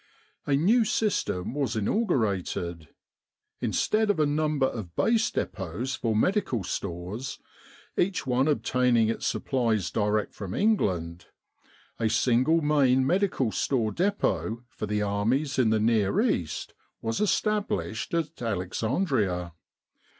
A new system was inaugurated. Instead of a number of Base Depots for medical stores, each one obtaining its supplies direct from England, a single Main Medical Store Depot for the armies in the Near East was established at Alexandria.